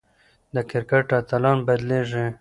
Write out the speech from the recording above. د کرکټ اتلان بدلېږي.